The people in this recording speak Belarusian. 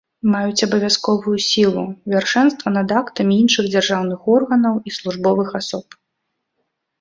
Маюць абавязковую сілу, вяршэнства над актамі іншых дзяржаўных органаў і службовых асоб.